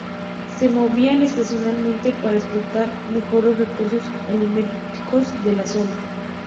Se movían estacionalmente para explotar mejor los recursos alimenticios de la zona.